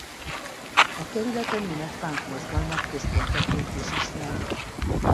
A kerület a német punk mozgalmak központjaként is ismert.